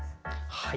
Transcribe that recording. はい。